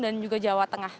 di jawa tengah